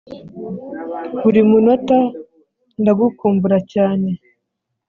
buri munota ndagukumbura cyane